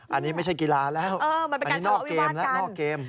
อันนี้ไม่ใช่กีฬาแล้วอันนี้นอกเกมแล้วนอกเกม